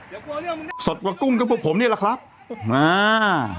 อย่ากลัวเรื่องสดกว่ากุ้งกระปุกผมนี่แหละครับมา